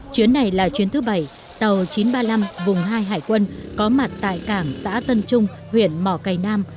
chuyến này là chuyến thứ bảy tàu chín trăm ba mươi năm vùng hai hải quân có mặt tại cảng xã tân trung huyện mỏ cầy nam